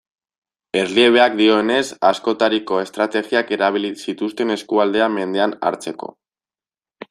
Erliebeak dioenez, askotariko estrategiak erabili zituzten eskualdea mendean hartzeko.